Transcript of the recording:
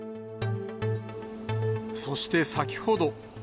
そして先ほど。